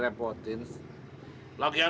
lebih romantik kalian lagi ya